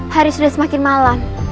hari sudah semakin malam